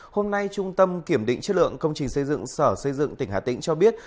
hôm nay trung tâm kiểm định chất lượng công trình xây dựng sở xây dựng tỉnh hà tĩnh cho biết